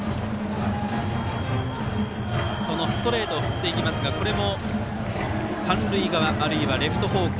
ストレートを振っていきますがこれも三塁側あるいはレフト方向